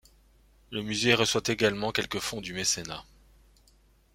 Le musée reçoit également quelques fonds du mécénat.